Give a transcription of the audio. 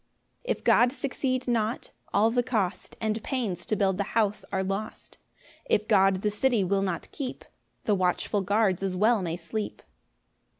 1 If God succeed not, all the cost And pains to build the house are lost: If God the city will not keep, The watchful guards as well may sleep.